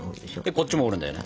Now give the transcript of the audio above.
こっちも折るんだよね。